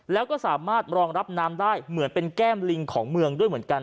แล้วก็สามารถรองรับน้ำได้เหมือนเป็นแก้มลิงของเมืองด้วยเหมือนกัน